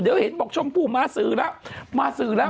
เดี๋ยวเห็นจะบอกชมผู้มาสือละ